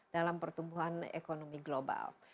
dalam pertumbuhan ekonomi global